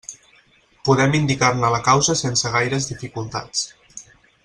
Podem indicar-ne la causa sense gaires dificultats.